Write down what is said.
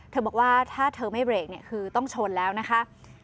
เธอบอกว่าถ้าเธอไม่เบรกคือต้องชนแล้วนะคะ